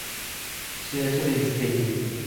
เชื้อจุลินทรีย์